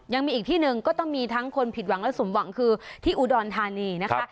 ยังมีอีกที่หนึ่งก็ต้องมีทั้งคนผิดหวังและสมหวังคือที่อุดรธานีนะคะ